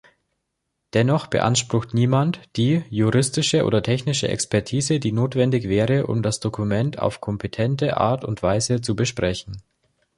Dennoch beansprucht Niemand die juristische oder technische Expertise, die notwendig wäre, um das Dokument auf kompetente Art und Weise zu besprechen.